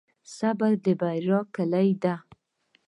صبر د بریا کیلي ده.